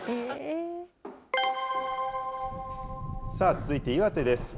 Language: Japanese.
続いて岩手です。